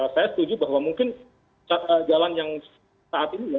saya setuju bahwa mungkin jalan yang saat ini ya